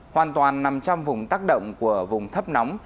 hoàn toàn năm trăm linh vùng tác động của vùng thấp nóng